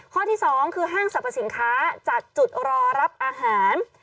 ข้อที่๒คือห้างสรรพสินค้าจัดจุดรอรับอาหาร